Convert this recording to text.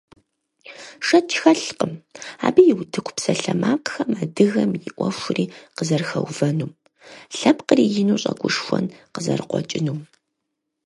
Шэч хэлъкъым, абы и утыку псалъэмакъхэм адыгэм и Ӏуэхури къызэрыхэувэнум, лъэпкъри ину щӀэгушхуэн къызэрыкъуэкӀынум.